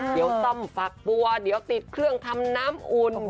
เดี๋ยวซ่อมฝักบัวเดี๋ยวติดเครื่องทำน้ำอุ่น